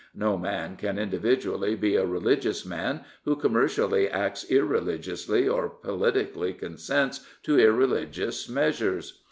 No man can individually be a religious man who commercially acts irreligiously or politically consents to irreligious measures.